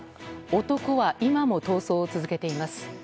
男は今も逃走を続けています。